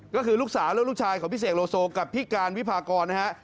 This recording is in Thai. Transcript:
ก็คือลูกสาวและลูกชายของพี่เสกโลโซกับพี่การวิพากรนะฮะ